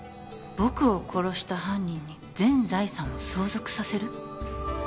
僕を殺した犯人に全財産を相続させる。